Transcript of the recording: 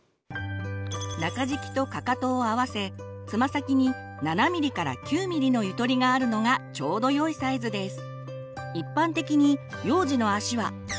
中敷きとかかとを合わせつま先に７ｍｍから９ｍｍのゆとりがあるのがちょうどよいサイズです。